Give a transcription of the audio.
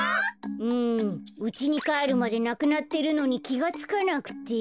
うんうちにかえるまでなくなってるのにきがつかなくて。